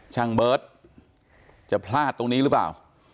เบิร์ตจะพลาดตรงนี้หรือเปล่า